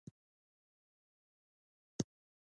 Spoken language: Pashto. دا برخه له هرم شکلو برخو څخه جوړه شوې ده.